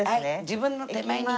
自分の手前に。